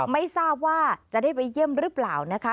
ไม่ทราบว่าจะได้ไปเยี่ยมหรือเปล่านะคะ